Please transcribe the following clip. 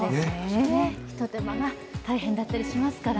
ひと手間が大変だったりしますから、